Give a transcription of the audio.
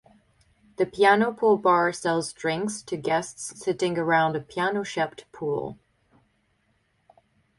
The Piano Pool Bar sells drinks to guests sitting around a piano-shaped pool.